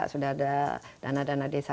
sudah ada dana dana desa